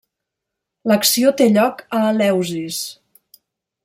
L'acció té lloc a Eleusis.